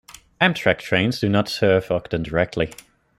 Amtrak trains do not serve Ogden directly.